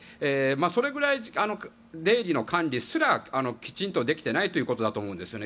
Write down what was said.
それぐらい出入りの管理すらきちんとできていないということだと思うんですよね。